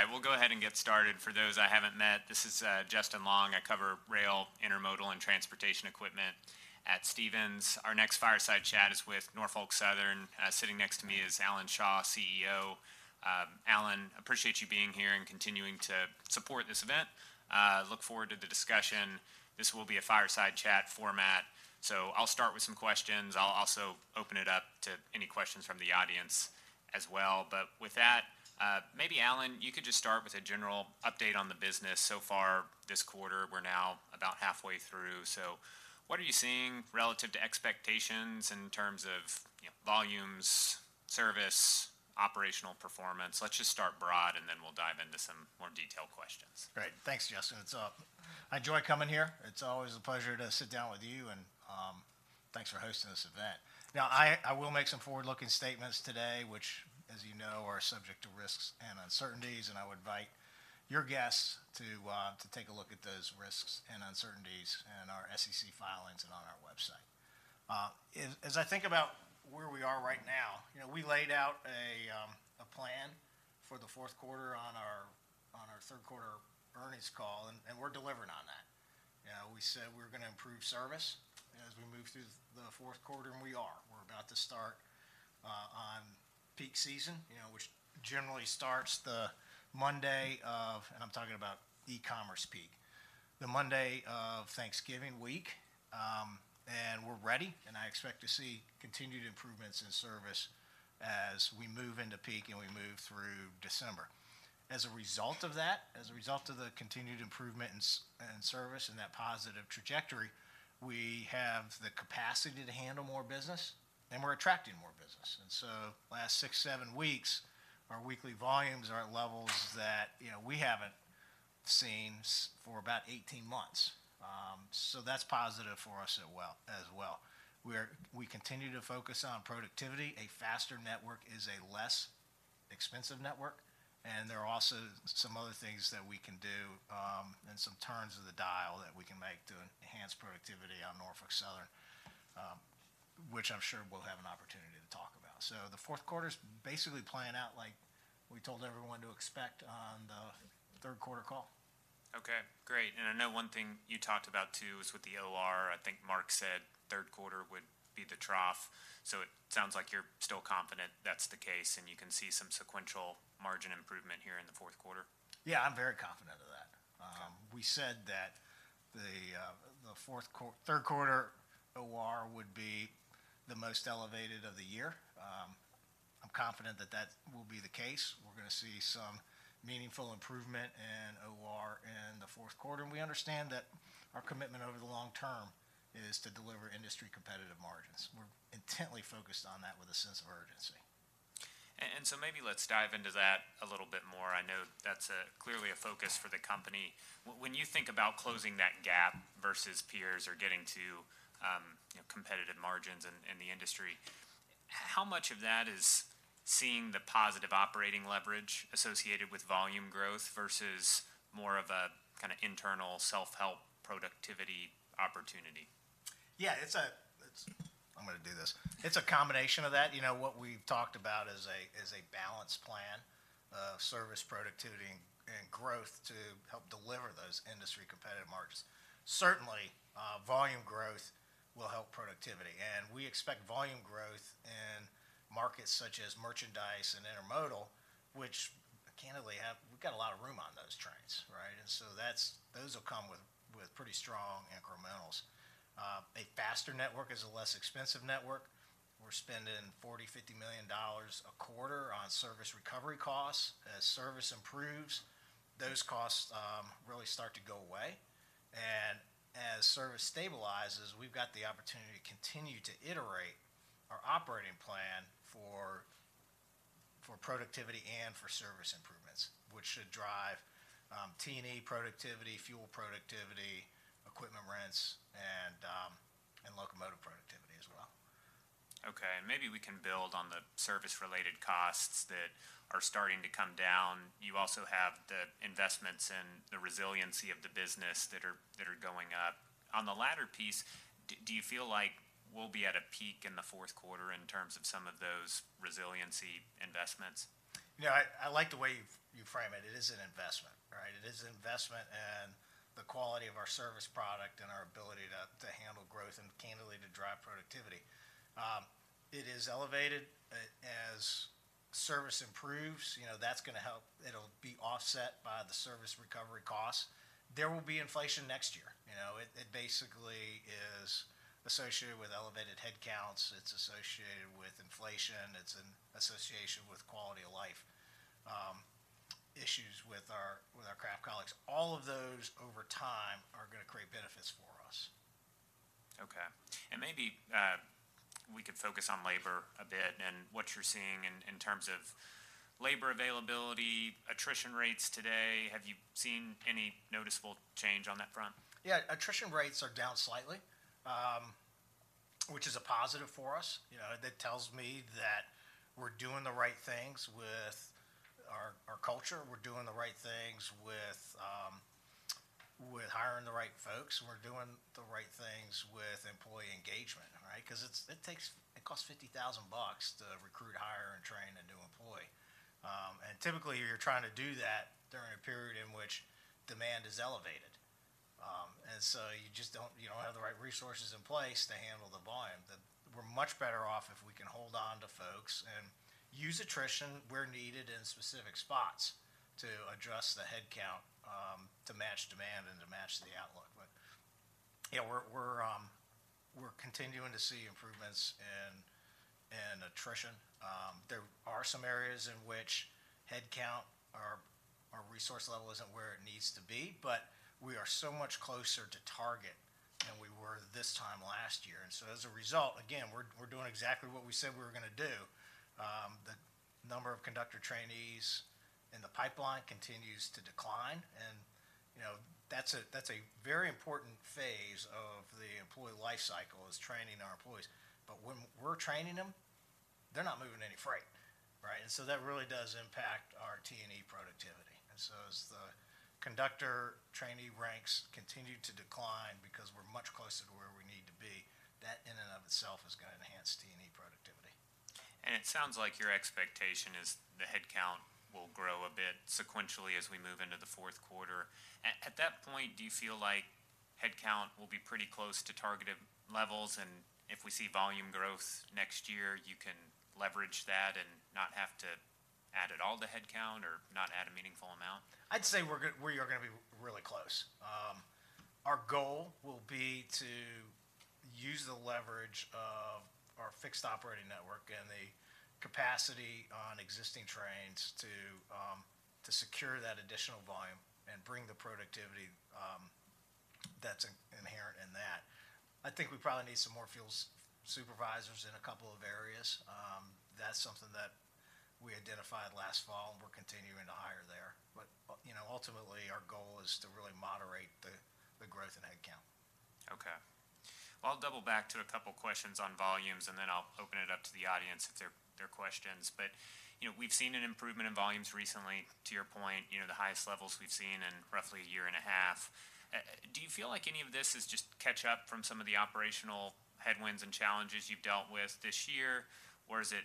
All right, we'll go ahead and get started. For those I haven't met, this is Justin Long. I cover rail, intermodal, and transportation equipment at Stephens. Our next fireside chat is with Norfolk Southern. Sitting next to me is Alan Shaw, CEO. Alan, appreciate you being here and continuing to support this event. Look forward to the discussion. This will be a fireside chat format, so I'll start with some questions. I'll also open it up to any questions from the audience as well. But with that, maybe Alan, you could just start with a general update on the business so far this quarter. We're now about halfway through. So what are you seeing relative to expectations in terms of, you know, volumes, service, operational performance? Let's just start broad, and then we'll dive into some more detailed questions. Great. Thanks, Justin. It's, I enjoy coming here. It's always a pleasure to sit down with you, and thanks for hosting this event. Now, I will make some forward-looking statements today, which, as you know, are subject to risks and uncertainties, and I would invite your guests to take a look at those risks and uncertainties in our SEC filings and on our website. As I think about where we are right now, you know, we laid out a plan for the fourth quarter on our third quarter earnings call, and we're delivering on that. We said we're gonna improve service as we move through the fourth quarter, and we are. We're about to start on peak season, you know, which generally starts the Monday of—and I'm talking about e-commerce peak—the Monday of Thanksgiving week. And we're ready, and I expect to see continued improvements in service as we move into peak and we move through December. As a result of that, as a result of the continued improvement in service and that positive trajectory, we have the capacity to handle more business, and we're attracting more business. And so last 6-7 weeks, our weekly volumes are at levels that, you know, we haven't seen for about 18 months. So that's positive for us as well, as well. We continue to focus on productivity. A faster network is a less expensive network, and there are also some other things that we can do, and some turns of the dial that we can make to enhance productivity on Norfolk Southern, which I'm sure we'll have an opportunity to talk about. So the fourth quarter's basically playing out like we told everyone to expect on the third quarter call. Okay, great. I know one thing you talked about, too, is with the OR. I think Mark said third quarter would be the trough, so it sounds like you're still confident that's the case, and you can see some sequential margin improvement here in the fourth quarter? Yeah, I'm very confident of that. Okay. We said that the third quarter OR would be the most elevated of the year. I'm confident that that will be the case. We're gonna see some meaningful improvement in OR in the fourth quarter, and we understand that our commitment over the long term is to deliver industry-competitive margins. We're intently focused on that with a sense of urgency. And so maybe let's dive into that a little bit more. I know that's clearly a focus for the company. When you think about closing that gap versus peers or getting to, you know, competitive margins in the industry, how much of that is seeing the positive operating leverage associated with volume growth versus more of a kind of internal self-help productivity opportunity? Yeah, I'm gonna do this. It's a combination of that. You know, what we've talked about is a balanced plan of service, productivity, and growth to help deliver those industry-competitive margins. Certainly, volume growth will help productivity, and we expect volume growth in markets such as merchandise and intermodal, which candidly have. We've got a lot of room on those trains, right? And so that's. Those will come with pretty strong incrementals. A faster network is a less expensive network. We're spending $40-$50 million a quarter on service recovery costs. As service improves, those costs really start to go away, and as service stabilizes, we've got the opportunity to continue to iterate our operating plan for productivity and for service improvements, which should drive T&E productivity, fuel productivity, equipment rents, and locomotive productivity as well. Okay, and maybe we can build on the service-related costs that are starting to come down. You also have the investments and the resiliency of the business that are, that are going up. On the latter piece, do you feel like we'll be at a peak in the fourth quarter in terms of some of those resiliency investments? You know, I like the way you've, you frame it. It is an investment, right? It is an investment in the quality of our service product and our ability to handle growth and candidly, to drive productivity. It is elevated. As service improves, you know, that's gonna help. It'll be offset by the service recovery costs. There will be inflation next year. You know, it basically is associated with elevated headcounts. It's associated with inflation. It's an association with quality-of-life issues with our craft colleagues. All of those, over time, are gonna create benefits for us. Okay. And maybe, we could focus on labor a bit and what you're seeing in terms of labor availability, attrition rates today. Have you seen any noticeable change on that front? Yeah. Attrition rates are down slightly, which is a positive for us. You know, that tells me that we're doing the right things with our, our culture. We're doing the right things with folks, we're doing the right things with employee engagement, right? Because it takes it costs $50,000 to recruit, hire, and train a new employee. And typically, you're trying to do that during a period in which demand is elevated. And so you just don't, you don't have the right resources in place to handle the volume. That we're much better off if we can hold on to folks and use attrition where needed in specific spots to adjust the headcount, to match demand and to match the outlook. But, you know, we're, we're, we're continuing to see improvements in, in attrition. There are some areas in which headcount or resource level isn't where it needs to be, but we are so much closer to target than we were this time last year. And so, as a result, again, we're doing exactly what we said we were gonna do. The number of conductor trainees in the pipeline continues to decline, and, you know, that's a very important phase of the employee life cycle, is training our employees. But when we're training them, they're not moving any freight, right? And so that really does impact our T&E productivity. And so, as the conductor trainee ranks continue to decline, because we're much closer to where we need to be, that in and of itself is gonna enhance T&E productivity. It sounds like your expectation is the headcount will grow a bit sequentially as we move into the fourth quarter. At that point, do you feel like headcount will be pretty close to targeted levels, and if we see volume growth next year, you can leverage that and not have to add at all to headcount or not add a meaningful amount? I'd say we're gonna be really close. Our goal will be to use the leverage of our fixed operating network and the capacity on existing trains to secure that additional volume and bring the productivity that's inherent in that. I think we probably need some more field supervisors in a couple of areas. That's something that we identified last fall, and we're continuing to hire there. But you know, ultimately, our goal is to really moderate the growth in headcount. Okay. Well, I'll double back to a couple questions on volumes, and then I'll open it up to the audience if there are questions. But, you know, we've seen an improvement in volumes recently, to your point, you know, the highest levels we've seen in roughly a year and a half. Do you feel like any of this is just catch-up from some of the operational headwinds and challenges you've dealt with this year, or is it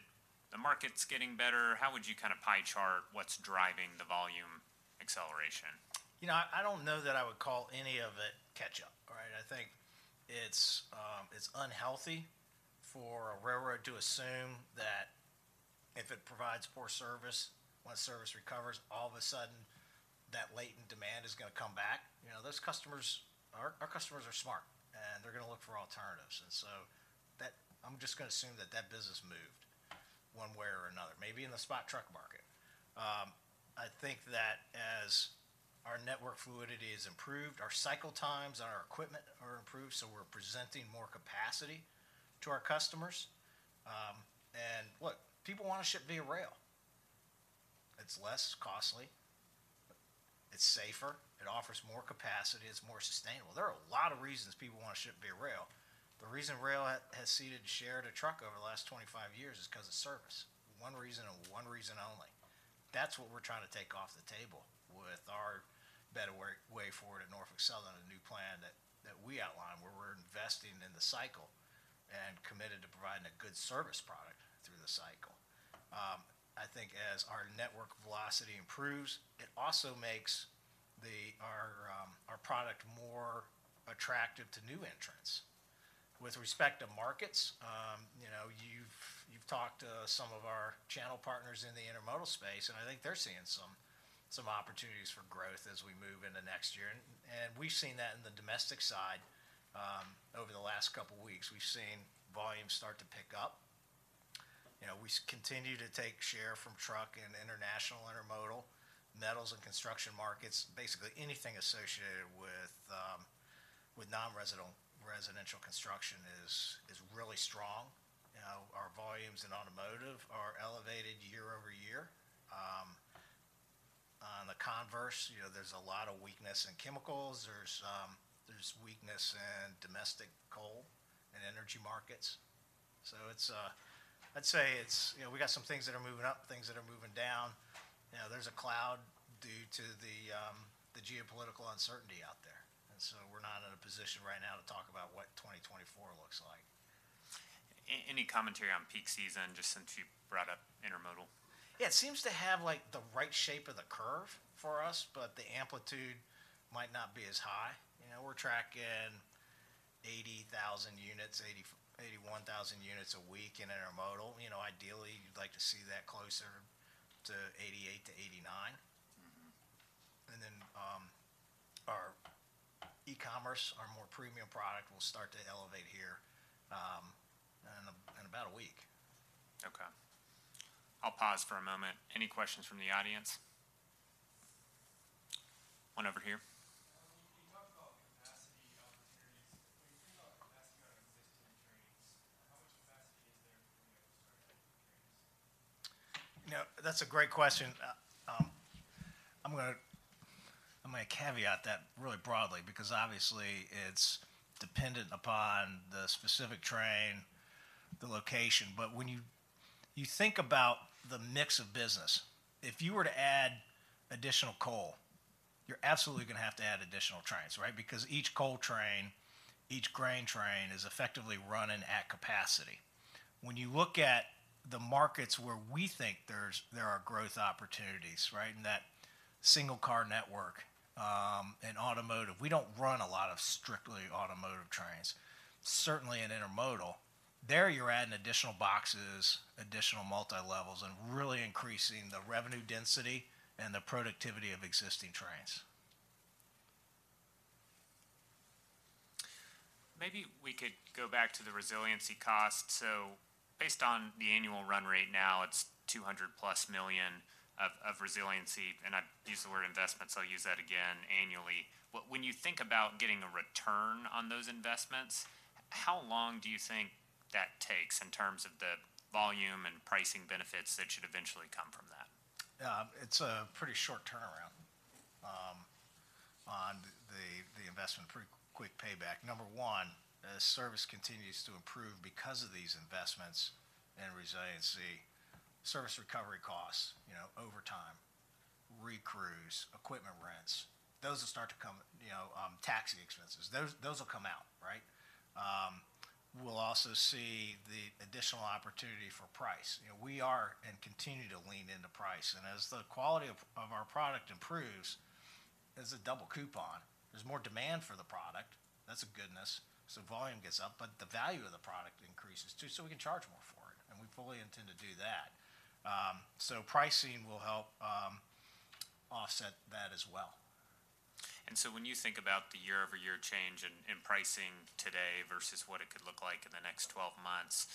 the market's getting better? How would you kind of pie chart what's driving the volume acceleration? You know, I don't know that I would call any of it catch-up, all right? I think it's unhealthy for a railroad to assume that if it provides poor service, once service recovers, all of a sudden, that latent demand is gonna come back. You know, those customers, our customers are smart, and they're gonna look for alternatives. And so that... I'm just gonna assume that that business moved one way or another, maybe in the spot truck market. I think that as our network fluidity has improved, our cycle times on our equipment are improved, so we're presenting more capacity to our customers. And look, people want to ship via rail. It's less costly, it's safer, it offers more capacity, it's more sustainable. There are a lot of reasons people want to ship via rail. The reason rail has ceded share to truck over the last 25 years is 'cause of service. One reason and one reason only. That's what we're trying to take off the table with our better way forward at Norfolk Southern, a new plan that we outlined, where we're investing in the cycle and committed to providing a good service product through the cycle. I think as our network velocity improves, it also makes our product more attractive to new entrants. With respect to markets, you know, you've talked to some of our channel partners in the intermodal space, and I think they're seeing some opportunities for growth as we move into next year. We've seen that in the domestic side over the last couple weeks. We've seen volumes start to pick up. You know, we continue to take share from truck and international intermodal, metals and construction markets. Basically, anything associated with non-residential construction is really strong. You know, our volumes in automotive are elevated year-over-year. On the converse, you know, there's a lot of weakness in chemicals. There's weakness in domestic coal and energy markets. So it's, I'd say it's, you know, we got some things that are moving up, things that are moving down. You know, there's a cloud due to the geopolitical uncertainty out there, and so we're not in a position right now to talk about what 2024 looks like. Any commentary on peak season, just since you brought up intermodal? Yeah, it seems to have, like, the right shape of the curve for us, but the amplitude might not be as high. You know, we're tracking 80,000 units, 81,000 units a week in intermodal. You know, ideally, you'd like to see that closer to 88-89. Mm-hmm. And then, our e-commerce, our more premium product, will start to elevate here, in about a week. Okay. I'll pause for a moment. Any questions from the audience? One over here. You talked about capacity opportunities. When you think about capacity on existing trains, how much capacity is there for when you start building trains? You know, that's a great question. I'm gonna caveat that really broadly, because obviously, it's dependent upon the specific location. But when you think about the mix of business, if you were to add additional coal, you're absolutely gonna have to add additional trains, right? Because each coal train, each grain train is effectively running at capacity. When you look at the markets where we think there are growth opportunities, right, in that single car network, in automotive, we don't run a lot of strictly automotive trains. Certainly, in intermodal, there you're adding additional boxes, additional multilevels, and really increasing the revenue density and the productivity of existing trains. Maybe we could go back to the resiliency cost. So based on the annual run rate, now it's $200+ million of resiliency, and I've used the word investment, so I'll use that again annually. But when you think about getting a return on those investments, how long do you think that takes in terms of the volume and pricing benefits that should eventually come from that? It's a pretty short turnaround on the investment. Pretty quick payback. Number one, as service continues to improve because of these investments in resiliency, service recovery costs, you know, overtime, recrews, equipment rents, those will start to come, you know, taxi expenses, those will come out, right? We'll also see the additional opportunity for price. You know, we are and continue to lean into price, and as the quality of our product improves, there's a double coupon. There's more demand for the product. That's a goodness. So volume gets up, but the value of the product increases too, so we can charge more for it, and we fully intend to do that. So pricing will help offset that as well. When you think about the year-over-year change in pricing today versus what it could look like in the next 12 months,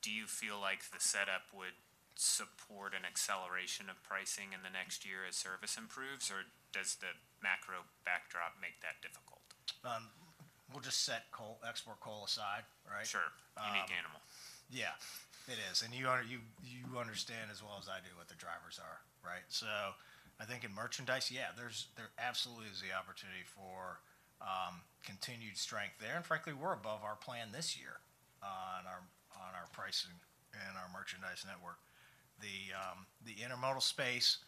do you feel like the setup would support an acceleration of pricing in the next year as service improves, or does the macro backdrop make that difficult? We'll just set coal, export coal aside, right? Sure. Unique animal. Yeah, it is. And you understand as well as I do what the drivers are, right? So I think in merchandise, yeah, there's absolutely the opportunity for continued strength there, and frankly, we're above our plan this year on our pricing and our merchandise network. The intermodal space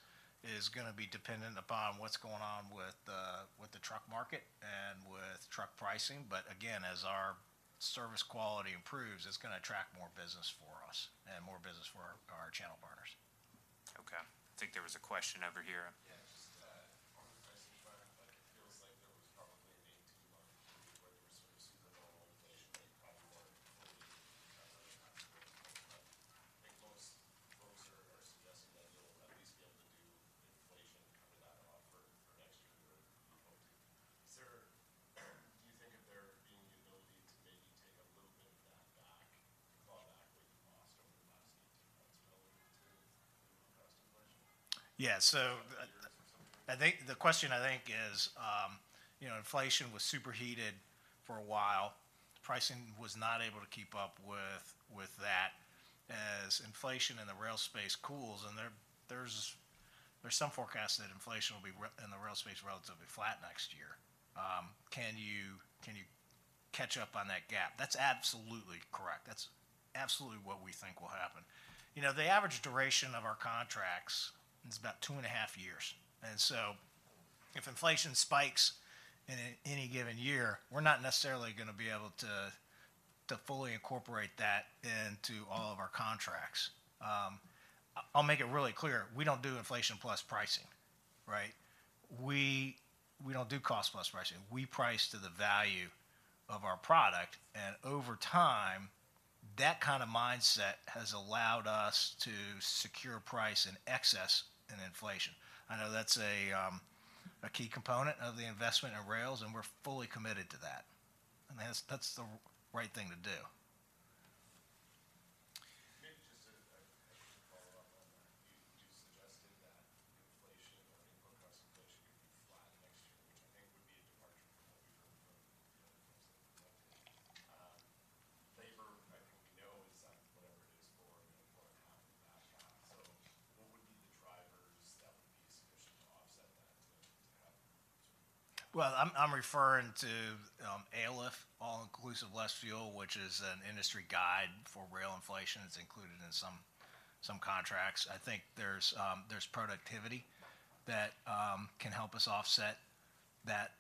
is gonna be dependent upon what's going on with the truck market and with truck pricing. But again, as our service quality improves, it's gonna attract more business for us and more business for our channel partners. Okay. I think there was a question over here. Yeah, just on the pricing front, like, it feels like there was probably an 18-month period where there was sort of super normal inflation and probably more. I think most folks are suggesting that you'll at least be able to do inflation coming out for next year or 18. So do you think if there being the ability to maybe take a little bit of that back, clawback what you've lost over the last 18 months, ability to increase inflation? Yeah. So- Or something- I think the question, I think, is, you know, inflation was superheated for a while. Pricing was not able to keep up with that. As inflation in the rail space cools, and there's some forecast that inflation will be relatively flat in the rail space next year. Can you catch up on that gap? That's absolutely correct. That's absolutely what we think will happen. You know, the average duration of our contracts is about two and a half years, and so if inflation spikes in any given year, we're not necessarily gonna be able to fully incorporate that into all of our contracts. I'll make it really clear, we don't do inflation plus pricing, right? We don't do cost plus pricing. We price to the value of our product, and over time, that kind of mindset has allowed us to secure pricing in excess of inflation. I know that's a key component of the investment in rails, and we're fully committed to that, and that's the right thing to do. Maybe just a follow-up on that. You suggested that inflation or input cost inflation could be flat next year, which I think would be a departure from what we've heard from the other folks. Labor, I think we know, is at whatever it is, 4, you know, 4.5 in the background. So what would be the drivers that would be sufficient to offset that, to have? Well, I'm referring to AILF, All-Inclusive Less Fuel, which is an industry guide for rail inflation. It's included in some contracts. I think there's productivity that can help us offset that.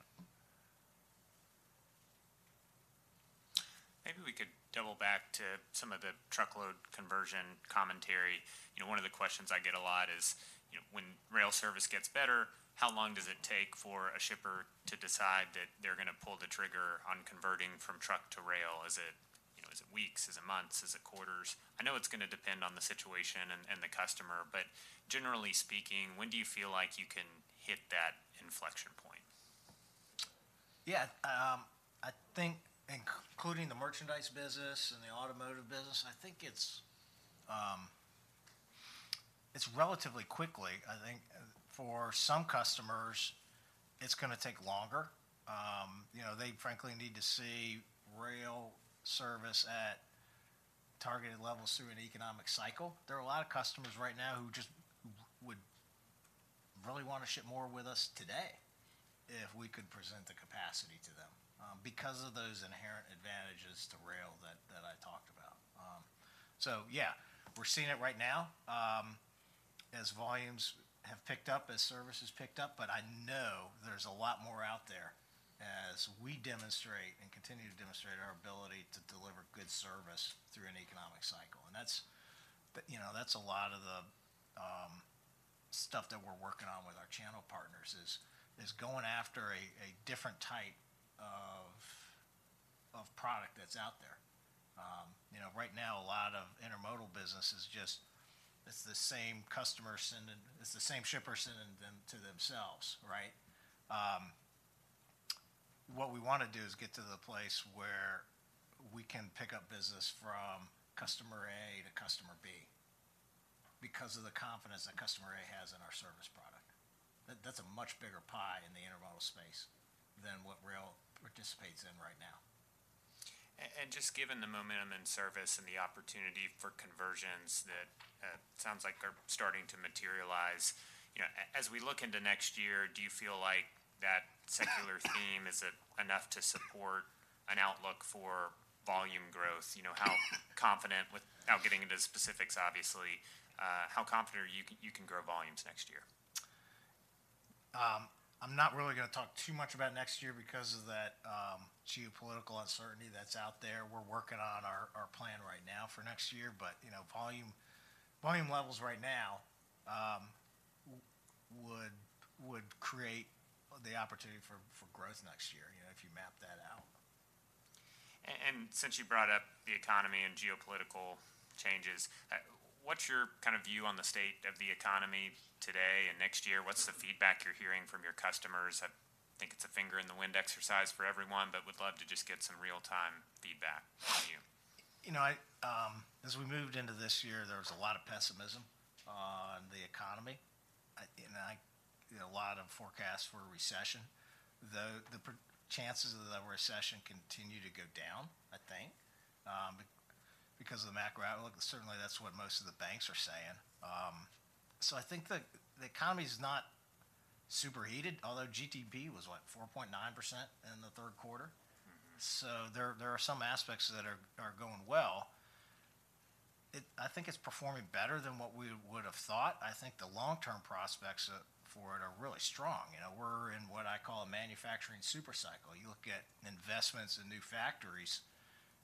Maybe we could double back to some of the truckload conversion commentary. You know, one of the questions I get a lot is, you know, when rail service gets better, how long does it take for a shipper to decide that they're gonna pull the trigger on converting from truck to rail? Is it, you know, is it weeks? Is it months? Is it quarters? I know it's gonna depend on the situation and the customer, but generally speaking, when do you feel like you can hit that inflection point? Yeah, I think including the merchandise business and the automotive business, I think it's relatively quickly. I think for some customers, it's gonna take longer. You know, they frankly need to see rail service at targeted levels through an economic cycle. There are a lot of customers right now who just would really want to ship more with us today if we could present the capacity to them, because of those inherent advantages to rail that I talked about. So yeah, we're seeing it right now, as volumes have picked up, as service has picked up, but I know there's a lot more out there as we demonstrate and continue to demonstrate our ability to deliver good service through an economic cycle. You know, that's a lot of the stuff that we're working on with our channel partners is going after a different type of product that's out there. You know, right now, a lot of intermodal business is just the same shipper sending them to themselves, right? What we want to do is get to the place where we can pick up business from customer A to customer B because of the confidence that customer A has in our service product. That's a much bigger pie in the intermodal space than what rail participates in right now. Just given the momentum and service and the opportunity for conversions that sounds like are starting to materialize, you know, as we look into next year, do you feel like that secular theme is it enough to support an outlook for volume growth? You know, how confident without getting into specifics, obviously, how confident are you can grow volumes next year? I'm not really going to talk too much about next year because of that geopolitical uncertainty that's out there. We're working on our plan right now for next year, but you know, volume levels right now would create the opportunity for growth next year, you know, if you map that out. And since you brought up the economy and geopolitical changes, what's your kind of view on the state of the economy today and next year? What's the feedback you're hearing from your customers? I think it's a finger in the wind exercise for everyone, but would love to just get some real-time feedback from you. You know, I as we moved into this year, there was a lot of pessimism on the economy. And I you know, a lot of forecasts for a recession. The chances of the recession continue to go down, I think, because of the macro outlook. Certainly, that's what most of the banks are saying. So I think the economy is not super heated, although GDP was, what? 4.9% in the third quarter. Mm-hmm. So there are some aspects that are going well. It. I think it's performing better than what we would have thought. I think the long-term prospects for it are really strong. You know, we're in what I call a manufacturing super cycle. You look at investments in new factories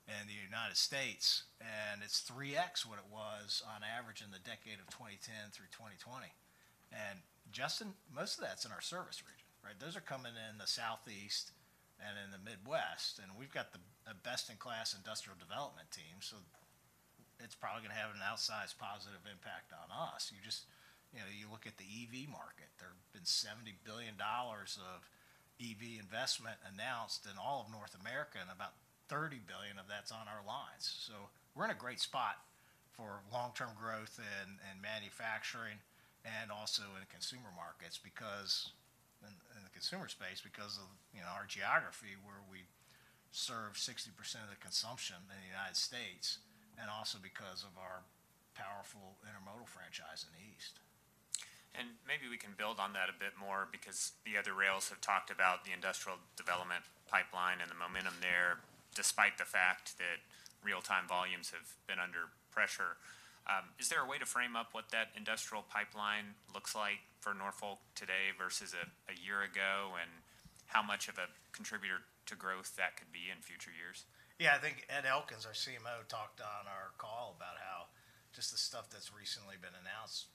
in the United States, and it's 3x what it was on average in the decade of 2010 through 2020. And Justin, most of that's in our service region, right? Those are coming in the Southeast and in the Midwest, and we've got a best-in-class industrial development team, so it's probably going to have an outsized positive impact on us. You just... You know, you look at the EV market. There have been $70 billion of EV investment announced in all of North America, and about $30 billion of that's on our lines. So we're in a great spot for long-term growth and manufacturing, and also in consumer markets, because in the consumer space, because of, you know, our geography, where we serve 60% of the consumption in the United States, and also because of our powerful intermodal franchise in the East. Maybe we can build on that a bit more because the other rails have talked about the industrial development pipeline and the momentum there, despite the fact that real-time volumes have been under pressure. Is there a way to frame up what that industrial pipeline looks like for Norfolk today versus a year ago, and how much of a contributor to growth that could be in future years? Yeah, I think Ed Elkins, our CMO, talked on our call about how just the stuff that's recently been announced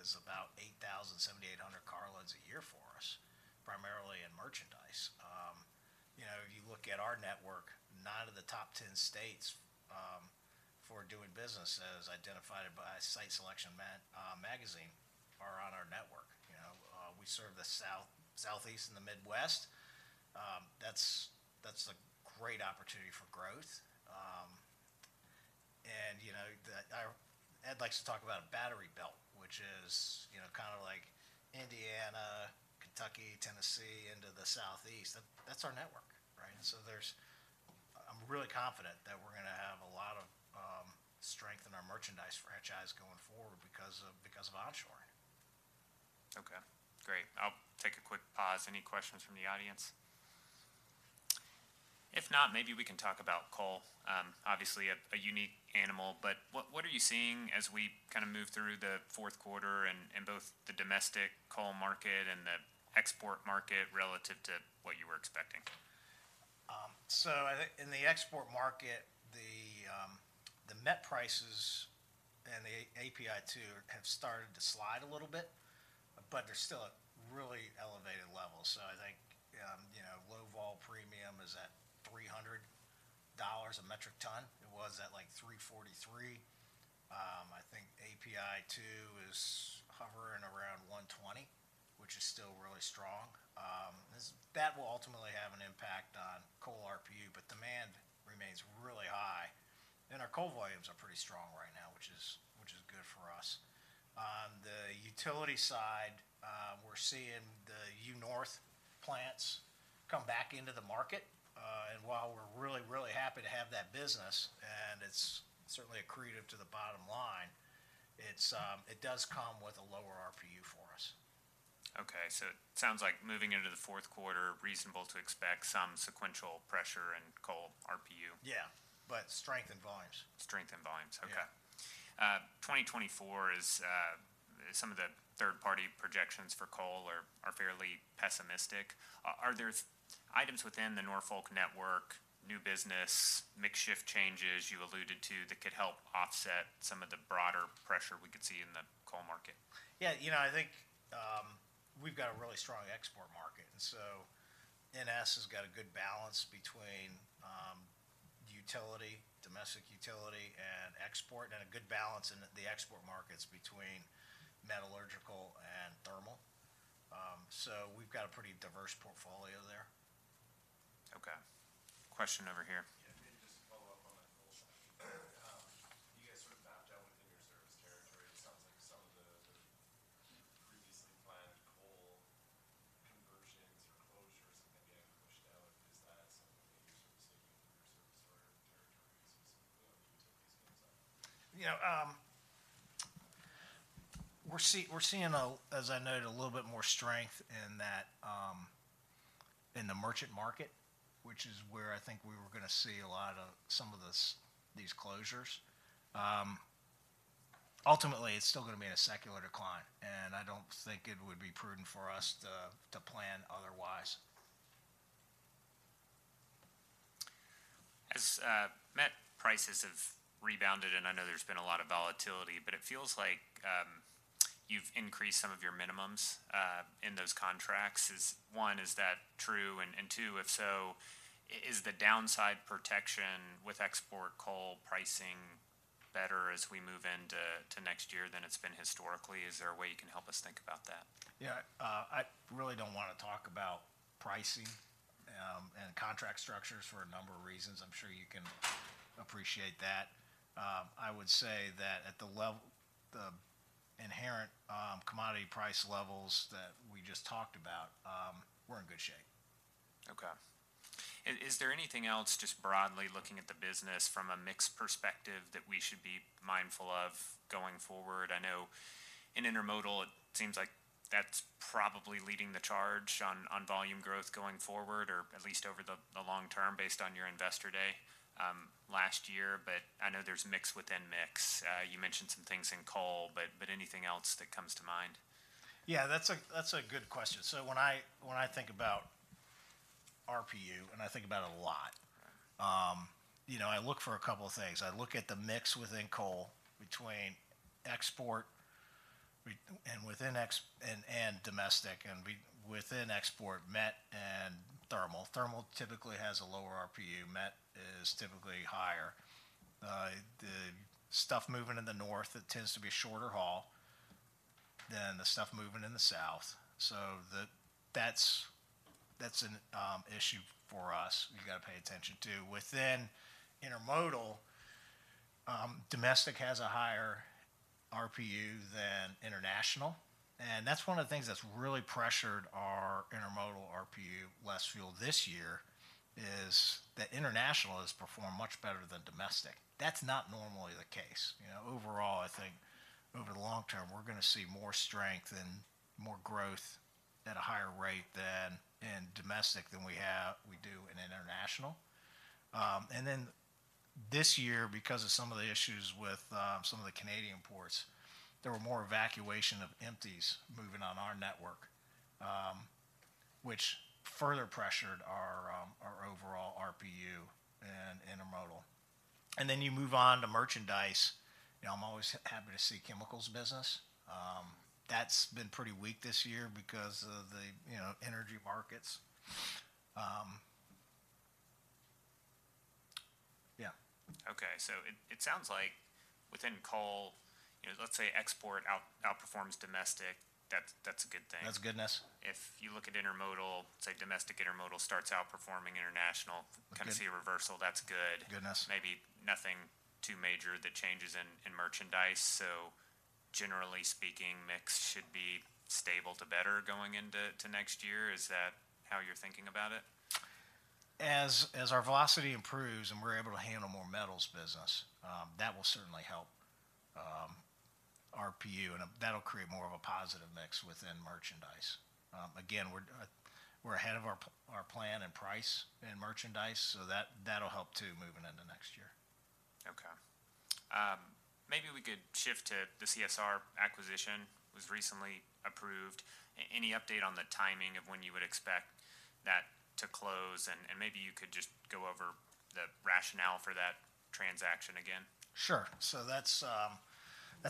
is about 8,000-800 carloads a year for us, primarily in merchandise. You know, if you look at our network, nine of the top 10 states for doing business, as identified by Site Selection Magazine, are on our network. You know, we serve the Southeast and the Midwest. That's a great opportunity for growth. And, you know, Ed likes to talk about a Battery Belt, which is, you know, kind of like Indiana, Kentucky, Tennessee, into the Southeast. That's our network, right? And so there's I'm really confident that we're going to have a lot of strength in our merchandise franchise going forward because of onshoring. Okay, great. I'll take a quick pause. Any questions from the audience? If not, maybe we can talk about coal. Obviously, a unique animal, but what, what are you seeing as we kind of move through the fourth quarter and, and both the domestic coal market and the export market relative to what you were expecting? So I think in the export market, the met prices and the API 2 have started to slide a little bit, but they're still at really elevated levels. So I think, you know, low-vol premium is at $300 a metric ton. It was at, like, $343. I think API 2 is hovering around $120, which is still really strong. That will ultimately have an impact on coal RPU, but demand remains really high, and our coal volumes are pretty strong right now, which is good for us. On the utility side, we're seeing the nuclear plants come back into the market, and while we're really, really happy to have that business, and it's certainly accretive to the bottom line, it does come with a lower RPU for us. Okay, so it sounds like moving into the fourth quarter, reasonable to expect some sequential pressure in coal RPU? Yeah, but strength in volumes. Strength in volumes. Yeah. Okay. 2024 is some of the third-party projections for coal are fairly pessimistic. Are there items within the Norfolk network, new business, mix shift changes you alluded to, that could help offset some of the broader pressure we could see in the coal market? Yeah, you know, I think, we've got a really strong export market. And so NS has got a good balance between, utility, domestic utility, and export, and a good balance in the export markets between metallurgical and thermal. So we've got a pretty diverse portfolio there. Okay. Question over here. Yeah, maybe just to follow up on that goal side. You guys sort of mapped out within your service territory. It sounds like some of the previously planned coal conversions or closures have been getting pushed out. Is that something you're seeing in your service or territory as you sort of these things out? Yeah, we're seeing, as I noted, a little bit more strength in that, in the merchant market, which is where I think we were gonna see a lot of some of this, these closures. Ultimately, it's still gonna be a secular decline, and I don't think it would be prudent for us to plan otherwise. As met prices have rebounded, and I know there's been a lot of volatility, but it feels like you've increased some of your minimums in those contracts. Is one, is that true? And two, if so, is the downside protection with export coal pricing better as we move into next year than it's been historically? Is there a way you can help us think about that? Yeah, I really don't want to talk about pricing and contract structures for a number of reasons. I'm sure you can appreciate that. I would say that at the level, the inherent commodity price levels that we just talked about, we're in good shape. Okay. And is there anything else just broadly looking at the business from a mix perspective that we should be mindful of going forward? I know in intermodal, it seems like that's probably leading the charge on volume growth going forward, or at least over the long term, based on your investor day last year. But I know there's mix within mix. You mentioned some things in coal, but anything else that comes to mind? Yeah, that's a, that's a good question. So when I, when I think about RPU, and I think about it a lot you know, I look for a couple of things. I look at the mix within coal between export and domestic, and within export, met and thermal. Thermal typically has a lower RPU, met is typically higher. The stuff moving in the north, it tends to be shorter haul than the stuff moving in the south, so that's an issue for us we've got to pay attention to. Within intermodal, domestic has a higher RPU than international, and that's one of the things that's really pressured our intermodal RPU less fuel this year, is that international has performed much better than domestic. That's not normally the case. You know, overall, I think over the long term, we're gonna see more strength and more growth at a higher rate than in domestic than we do in international. And then this year, because of some of the issues with some of the Canadian ports, there were more evacuation of empties moving on our network, which further pressured our our overall RPU in intermodal. And then you move on to merchandise. You know, I'm always happy to see chemicals business. That's been pretty weak this year because of the you know, energy markets. Yeah. Okay. So it sounds like within coal, you know, let's say export outperforms domestic, that's a good thing. That's goodness. If you look at intermodal, say, domestic intermodal starts outperforming international- Good... kind of, see a reversal, that's good. Goodness. Maybe nothing too major that changes in merchandise, so generally speaking, mix should be stable to better going into next year. Is that how you're thinking about it? As our velocity improves and we're able to handle more metals business, that will certainly help RPU, and that'll create more of a positive mix within merchandise. Again, we're ahead of our plan and price in merchandise, so that'll help too, moving into next year. Okay. Maybe we could shift to the CSR acquisition, was recently approved. Any update on the timing of when you would expect that to close? And maybe you could just go over the rationale for that transaction again. Sure. So that's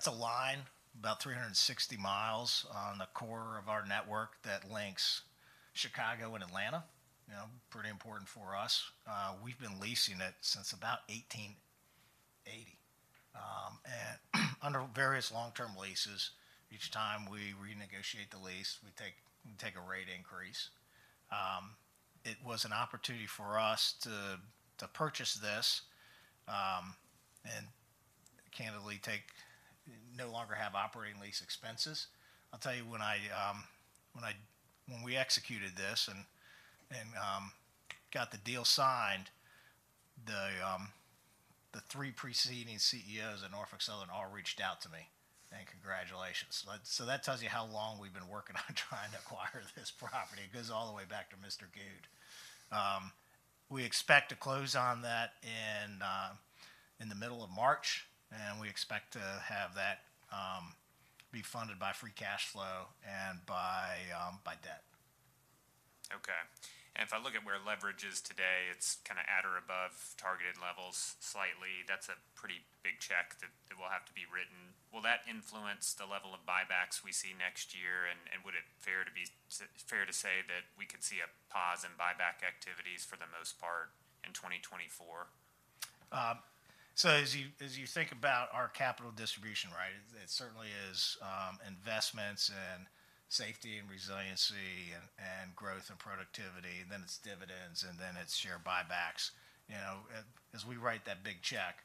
a line about 360 miles on the core of our network that links Chicago and Atlanta, you know, pretty important for us. We've been leasing it since about 1880 and under various long-term leases. Each time we renegotiate the lease, we take a rate increase. It was an opportunity for us to purchase this and candidly no longer have operating lease expenses. I'll tell you, when we executed this and got the deal signed, the three preceding CEOs at Norfolk Southern all reached out to me and congratulations. So that tells you how long we've been working on trying to acquire this property. It goes all the way back to Mr. Goode.We expect to close on that in the middle of March, and we expect to have that be funded by free cash flow and by debt. Okay. And if I look at where leverage is today, it's kind of at or above targeted levels, slightly. That's a pretty big check that will have to be written. Will that influence the level of buybacks we see next year, and would it be fair to say that we could see a pause in buyback activities for the most part in 2024? So as you, as you think about our capital distribution, right, it certainly is investments in safety and resiliency and, and growth and productivity, and then it's dividends, and then it's share buybacks. You know, as we write that big check,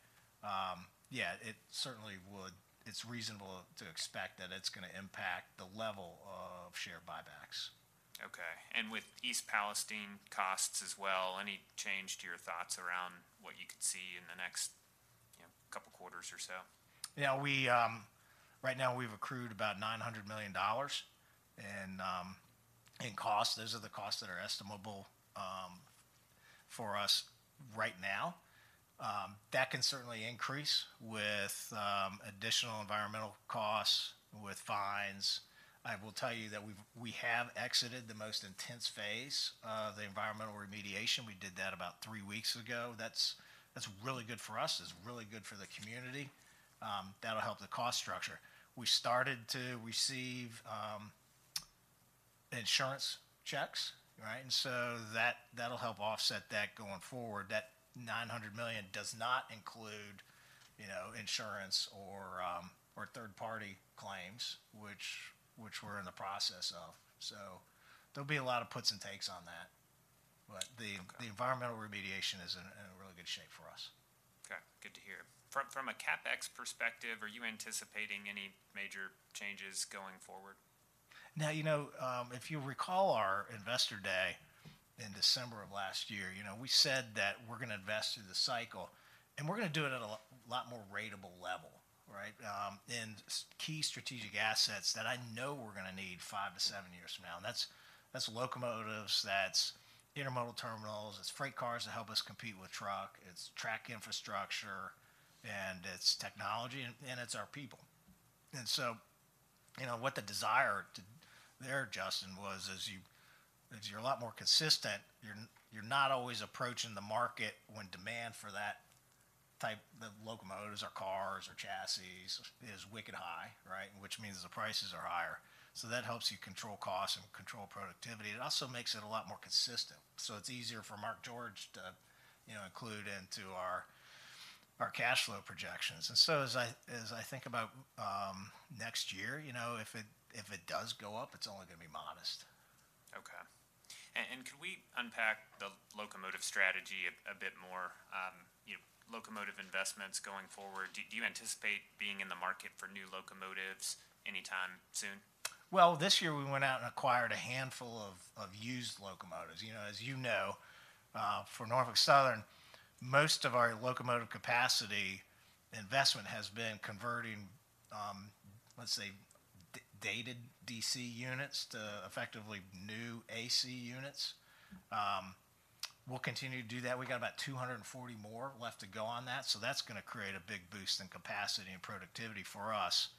yeah, it certainly would... It's reasonable to expect that it's gonna impact the level of share buybacks. Okay. And with East Palestine costs as well, any change to your thoughts around what you could see in the next, you know, couple quarters or so? Yeah, we right now, we've accrued about $900 million in costs. Those are the costs that are estimable for us right now. That can certainly increase with additional environmental costs, with fines. I will tell you that we've—we have exited the most intense phase of the environmental remediation. We did that about three weeks ago. That's really good for us. It's really good for the community. That'll help the cost structure. We started to receive insurance checks, right? And so that, that'll help offset that going forward. That $900 million does not include, you know, insurance or third-party claims, which we're in the process of. So there'll be a lot of puts and takes on that, but the- Okay... the environmental remediation is in a really good shape for us. Okay, good to hear. From a CapEx perspective, are you anticipating any major changes going forward? Now, you know, if you recall our Investor Day in December of last year, you know, we said that we're gonna invest through the cycle, and we're gonna do it at a lot more ratable level, right? And key strategic assets that I know we're gonna need 5-7 years from now, and that's, that's locomotives, that's intermodal terminals, it's freight cars that help us compete with truck, it's track infrastructure, and it's technology, and, and it's our people. And so, you know, what the desire to there, Justin, was, is you're a lot more consistent. You're not always approaching the market when demand for that type, the locomotives or cars or chassis is wicked high, right? Which means the prices are higher. So that helps you control costs and control productivity. It also makes it a lot more consistent, so it's easier for Mark George to, you know, include into our, our cash flow projections. And so as I, as I think about next year, you know, if it, if it does go up, it's only gonna be modest. Okay. And can we unpack the locomotive strategy a bit more? You know, locomotive investments going forward, do you anticipate being in the market for new locomotives anytime soon? Well, this year we went out and acquired a handful of used locomotives. You know, as you know, for Norfolk Southern, most of our locomotive capacity investment has been converting, let's say, dated DC units to effectively new AC units. We'll continue to do that. We got about 240 more left to go on that, so that's gonna create a big boost in capacity and productivity for us.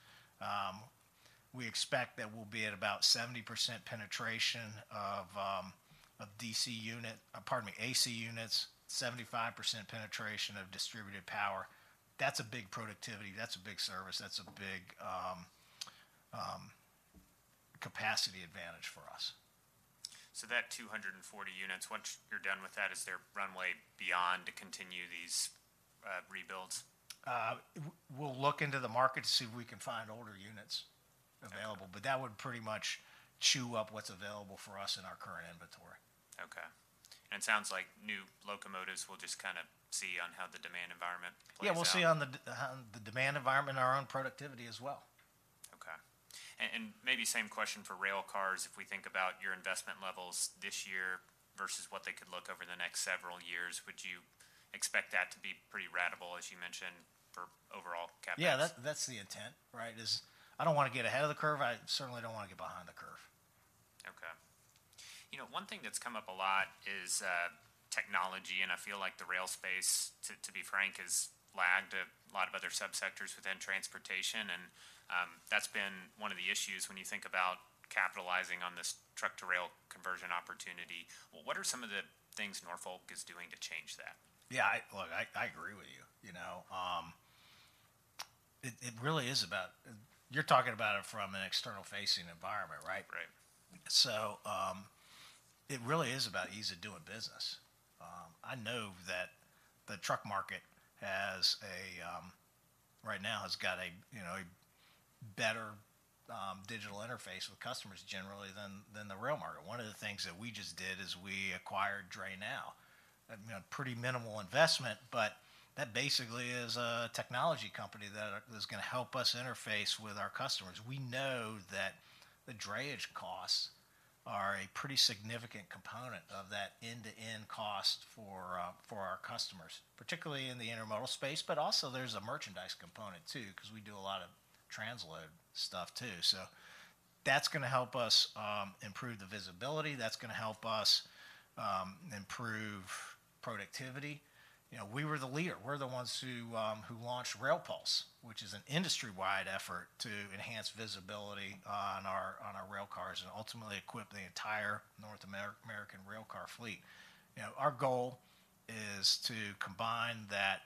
We expect that we'll be at about 70% penetration of, of DC unit, pardon me, AC units, 75% penetration of distributed power. That's a big productivity, that's a big service, that's a big capacity advantage for us. So that 240 units, once you're done with that, is there runway beyond to continue these rebuilds? We'll look into the market to see if we can find older units- Okay... available, but that would pretty much chew up what's available for us in our current inventory. Okay. It sounds like new locomotives, we'll just kind of see on how the demand environment plays out. Yeah, we'll see on the demand environment and our own productivity as well. Okay. And maybe same question for rail cars. If we think about your investment levels this year versus what they could look over the next several years, would you expect that to be pretty ratable, as you mentioned, for overall CapEx? Yeah, that's, that's the intent, right? Is I don't want to get ahead of the curve. I certainly don't want to get behind the curve. Okay. You know, one thing that's come up a lot is, technology, and I feel like the rail space, to be frank, has lagged a lot of other subsectors within transportation. And, that's been one of the issues when you think about capitalizing on this truck-to-rail conversion opportunity. What are some of the things Norfolk is doing to change that? Yeah, look, I agree with you. You know, it really is about. You're talking about it from an external-facing environment, right? Right. So, it really is about ease of doing business. I know that the truck market has a right now has got a, you know, better digital interface with customers generally than the rail market. One of the things that we just did is we acquired DrayNow. You know, pretty minimal investment, but that basically is a technology company that is going to help us interface with our customers. We know that the drayage costs are a pretty significant component of that end-to-end cost for our customers, particularly in the intermodal space, but also there's a merchandise component too, because we do a lot of transload stuff too. So that's going to help us improve the visibility, that's going to help us improve productivity. You know, we were the leader. We're the ones who launched RailPulse, which is an industry-wide effort to enhance visibility on our rail cars and ultimately equip the entire North American rail car fleet. You know, our goal is to combine that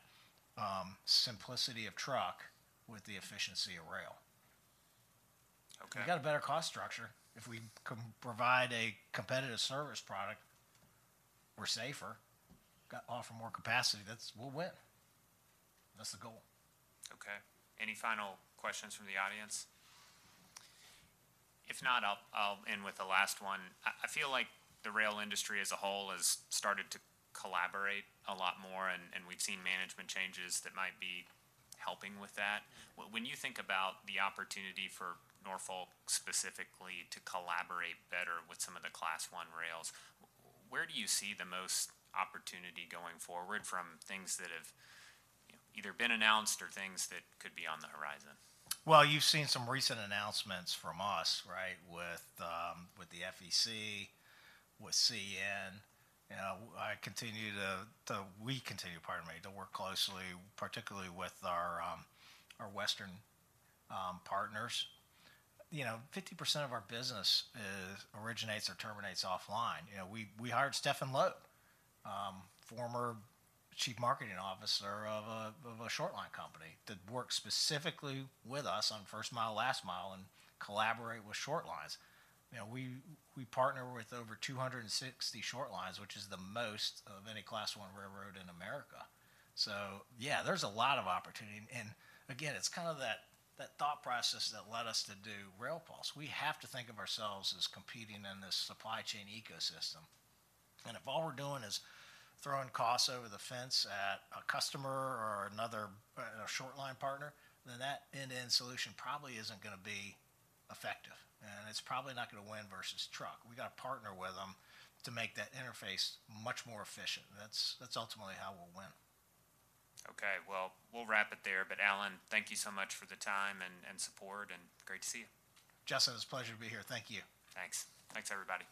simplicity of truck with the efficiency of rail. Okay. We've got a better cost structure. If we can provide a competitive service product, we're safer, offer more capacity, we'll win. That's the goal. Okay. Any final questions from the audience? If not, I'll end with the last one. I feel like the rail industry as a whole has started to collaborate a lot more, and we've seen management changes that might be helping with that. When you think about the opportunity for Norfolk, specifically to collaborate better with some of the Class I rails, where do you see the most opportunity going forward from things that have either been announced or things that could be on the horizon? Well, you've seen some recent announcements from us, right? With the FEC, with CN. You know, I continue to... We continue, pardon me, to work closely, particularly with our western partners. You know, 50% of our business originates or terminates offline. You know, we hired Stefan Loeb, former Chief Marketing Officer of a short line company, to work specifically with us on first mile, last mile, and collaborate with short lines. You know, we partner with over 260 short lines, which is the most of any Class I railroad in America. So yeah, there's a lot of opportunity, and again, it's kind of that thought process that led us to do RailPulse. We have to think of ourselves as competing in this supply chain ecosystem, and if all we're doing is throwing costs over the fence at a customer or another, a short line partner, then that end-to-end solution probably isn't going to be effective, and it's probably not going to win versus truck. We got to partner with them to make that interface much more efficient. That's, that's ultimately how we'll win. Okay, well, we'll wrap it there. But, Alan, thank you so much for the time and, and support, and great to see you. Justin, it's a pleasure to be here. Thank you. Thanks. Thanks, everybody.